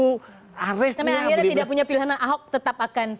sampai akhirnya tidak punya pilihan ahok tetap akan